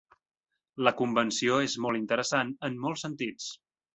La convenció és molt interessant en molts sentits.